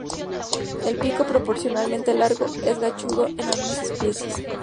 El pico, proporcionalmente largo, es ganchudo en algunas especies.